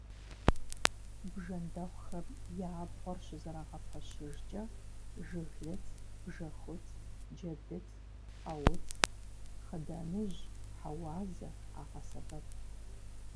Бжэндэхъухэм я абгъуэр щызэрагъэпэщыжкӀэ жыглыц, бжьэхуц, джэдыц, къауц, хъыданыжь, хьэуазэ къагъэсэбэп.